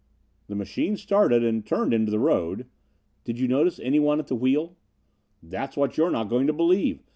"The machine started and turned into the road " "Did you notice anyone at the wheel?" "That's what you're not going to believe.